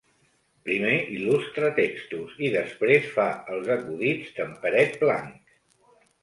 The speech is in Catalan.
Primer il·lustra textos i després fa els acudits d'en Peret Blanc.